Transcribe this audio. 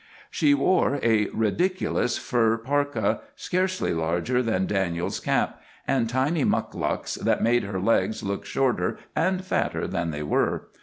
She wore a ridiculous fur parka, scarcely larger than Daniels's cap, and tiny mukluks that made her legs look shorter and fatter than they were.